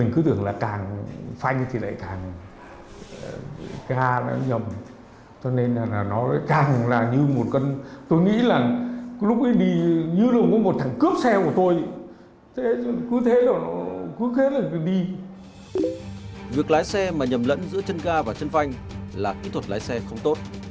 kỹ năng lái xe mà nhầm lẫn giữa chân gà và chân phanh là kỹ thuật lái xe không tốt